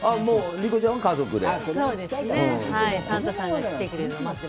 理子ちゃんは家族で？